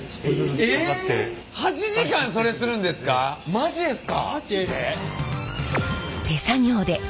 マジですか？